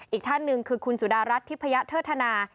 อีกท่านหนึ่งคือคุณสุดารัฐทิพยเทิดธนา